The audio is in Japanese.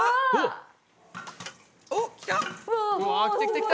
おっきた！